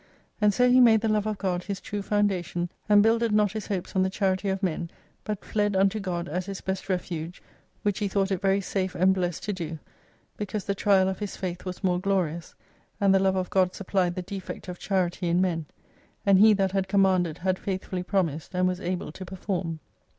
And so he made the love of God his true foundation, and builded not his hopes on the charity of men, but fled unto God as his best refuge, which he thought it very safe and blessed to do, because the trial of his faith was more glorious, and the love of God supplied the defect of charity in men : and he that had commanded had faith fully promised and was able to perform.